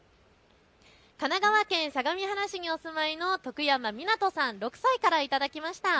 神奈川県相模原市にお住まいのとくやまみなとさん、６歳から頂きました。